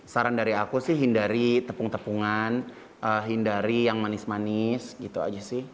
saran dari aku sih hindari tepung tepungan hindari yang manis manis gitu aja sih